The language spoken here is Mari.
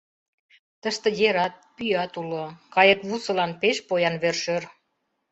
Тыште ерат, пӱят уло, кайыквусылан пеш поян вер-шӧр.